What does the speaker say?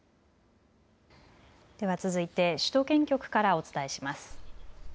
では続いて首都圏局からお伝えします。